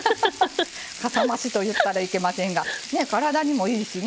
かさ増しと言ったらいけませんが体にもいいしね